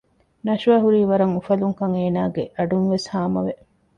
ނަޝްވާ ހުރީ ވަރަށް އުފަލުންކަން އޭނާގެ އަޑުންވެސް ހާމަވެ